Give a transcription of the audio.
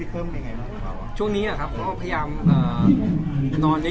ตอนนี้พยายามนอนเยอะ